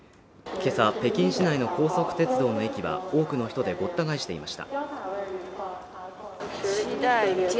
今朝北京市内の高速鉄道の駅は多くの人でごった返していました